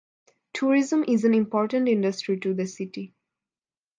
Tourism is an important industry to the city.